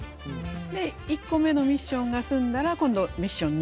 で１個目のミッションが済んだら今度ミッション２。